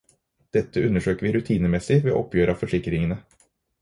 Dette undersøker vi rutinemessig ved oppgjøret av forsikringene.